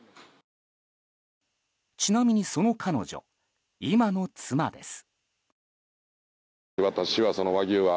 ちなみに、その彼女今の妻です。